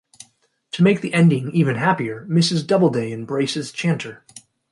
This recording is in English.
To make the ending even happier, Mrs. Doubleday embraces Chanter.